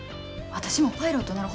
私もパイロットなろ。